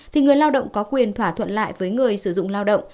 thì người lao động có quyền thỏa thuận lại với người sử dụng lao động